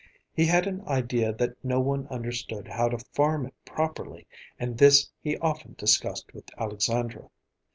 He had an idea that no one understood how to farm it properly, and this he often discussed with Alexandra.